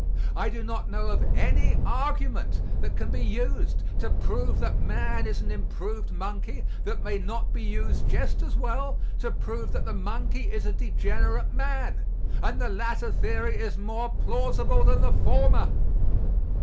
I do not know of any argument that can be used to prove that man is an improved monkey that may not be used just as well to prove that the monkey is a degenerate man, and the latter theory is more plausible than the former.